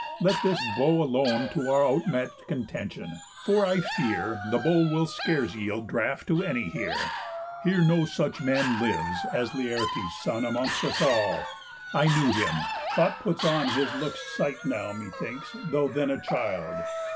Let this bow alone To our out match'd contention. For I fear The bow will scarce yield draught to any here; Here no such man lives as Laertes' son Amongst us all. I knew him; thought puts on His look's sight now, methinks, though then a child."